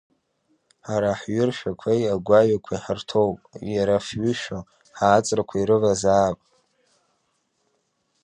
Ҳара аҳәҩышрақәеи агәаҩақәеи ҳарҭоуп, иара фҩышәо ҳааҵрақәа ирывазаап.